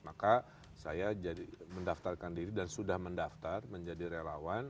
maka saya jadi mendaftarkan diri dan sudah mendaftar menjadi relawan